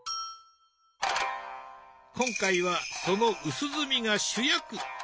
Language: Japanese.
今回はその薄墨が主役。